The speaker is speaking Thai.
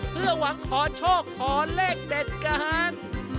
เพื่อหวังขอโชคขอเลขเด็ดกัน